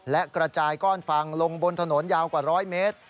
และกระจายก้อนฟังลงบนถนนยาวกว่า๑๐๐เมตร